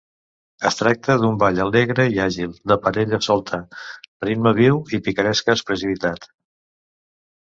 Es tracta d'un ball alegre i àgil, de parella solta, ritme viu i picaresca expressivitat.